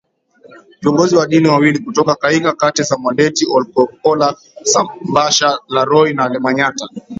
viongozi wa dini wawili kutoka kaika kata za Mwandeti Olkokola Sambasha Laroi na Lemanyata